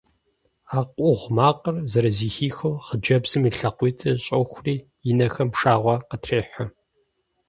А къугъ макъыр зэрызэхихыу, хъыджэбзым и лъакъуитӀыр щӀохури, и нэхэм пшагъуэ къытрехьэ…